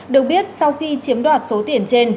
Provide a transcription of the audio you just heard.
được biết sau khi chiếm đoạt số tiền trên